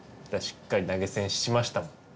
しっかり投げ銭しましたもん。